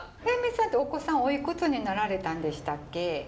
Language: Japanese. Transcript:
辺見さんってお子さんおいくつになられたんでしたっけ？